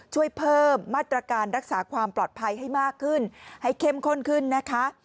ช่วยเพิ่มมาตรการรักษาความปลอดภัยให้มากขึ้นให้เข้มข้นขึ้นนะคะ